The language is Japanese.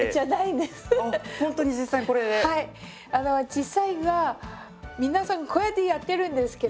実際は皆さんこうやってやってるんですけど。